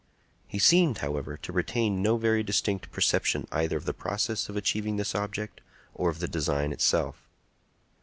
He seemed, however, to retain no very distinct perception either of the process of achieving this object or of the design itself.